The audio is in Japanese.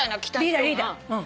リーダーリーダー。